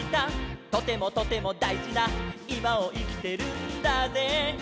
「とてもとてもだいじないまをいきてるんだぜ」